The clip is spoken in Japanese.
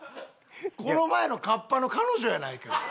この前のカッパの彼女やないか。